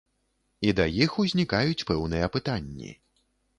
І да іх узнікаюць пэўныя пытанні.